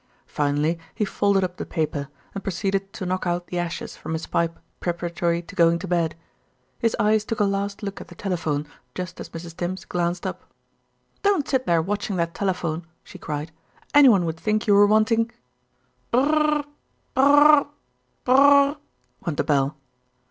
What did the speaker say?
Finally he folded up the paper, and proceeded to knock out the ashes from his pipe preparatory to going to bed. His eyes took a last look at the telephone just as Mrs. Tims glanced up. "Don't sit there watching that telephone," she cried, "anyone would think you were wanting " "Brrrrrrr brrrrrrr brrrrrr," went the bell.